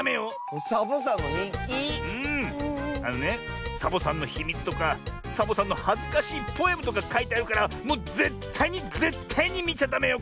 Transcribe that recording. あのねサボさんのひみつとかサボさんのはずかしいポエムとかかいてあるからもうぜったいにぜったいにみちゃダメよ。